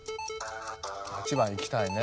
８番いきたいね。